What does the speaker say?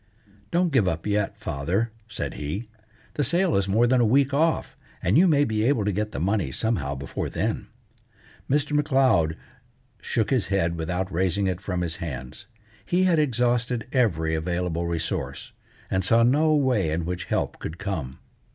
"Don't give up yet, father," said he. "The sale is more than a week off, and you may be able to get the money somehow before then." Mr. M'Leod shook his head without raising it from his hands. He had exhausted every available resource, and saw no way in which help could come.